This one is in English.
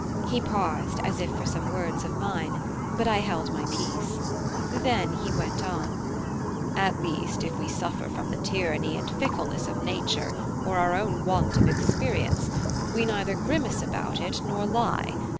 He paused, as if for some words of mine; but I held my peace: then he went on: "At least, if we suffer from the tyranny and fickleness of nature or our own want of experience, we neither grimace about it, nor lie.